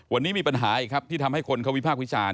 วันนี้มีปัญหาอีกครับที่ทำให้คนเขาวิพากษ์วิจารณ